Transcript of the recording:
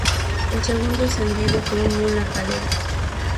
El segundo ascendido fue Unión La Calera.